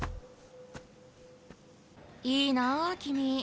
いいな君。